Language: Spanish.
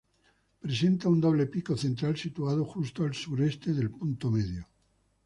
Presenta un doble pico central situado justo al suroeste del punto medio.